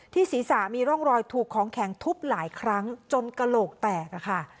ศีรษะมีร่องรอยถูกของแข็งทุบหลายครั้งจนกระโหลกแตกอะค่ะ